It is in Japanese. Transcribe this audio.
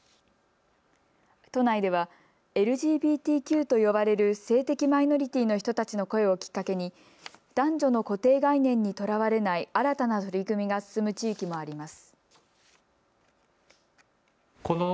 都内ではＬＧＢＴＱと呼ばれる性的マイノリティーの人たちの声をきっかけに男女の固定概念にとらわれない新たな取り組みが進む地域もあります。